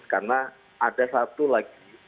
karena ada satu lagi